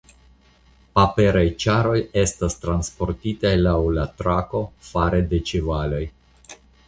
Paperaj ĉaroj estas transportitaj laŭ la trako fare de ĉevaloj.